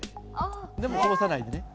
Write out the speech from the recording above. でもこぼさないでね。